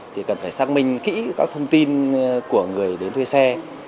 thì cần phải xác minh kỹ các thông tin của người đến thuê xe